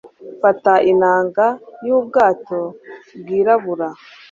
Fata inanga yubwato bwirabura